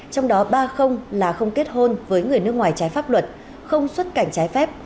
trong đó ba là không kết hôn với người nước ngoài trái pháp luật không xuất cảnh trái phép